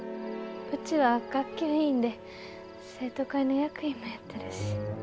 うちは学級委員で生徒会の役員もやってるし。